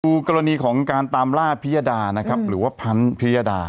กรณีของการตามล่าพิยดานะครับหรือว่าพันธ์พิยดา